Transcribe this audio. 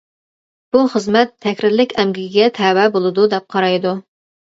بۇ خىزمەت تەھرىرلىك ئەمگىكىگە تەۋە بولىدۇ دەپ قارايدۇ.